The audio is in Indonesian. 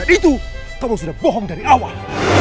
dan itu kamu sudah bohong dari awal